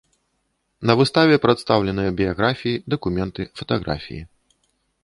На выставе прадстаўленыя біяграфіі, дакументы, фатаграфіі.